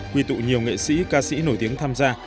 quy tụ nhiều nghệ sĩ ca sĩ nổi tiếng tham gia